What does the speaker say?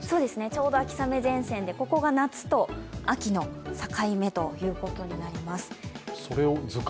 ちょうど秋雨前線で、ここか夏と秋の境目ということになります。